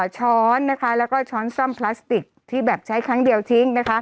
ช้อนแล้วก็ช้อนซ่อมพลาสติกที่แบบใช้ครั้งเดียวทิ้ง